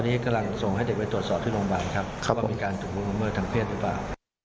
ตอนนี้กำลังส่งให้เด็กไปตรวจสอบที่โรงพยาบาลครับครับผมว่ามีการถูกกล่าวเมื่อทางเพื่อนหรือเปล่า